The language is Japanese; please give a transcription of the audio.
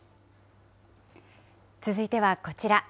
続いてはこちら。